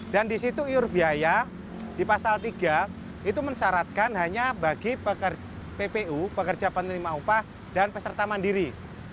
dan di situ iur biaya di pasal tiga itu mensyaratkan hanya bagi ppu pekerja penerima upah dan peserta mandiri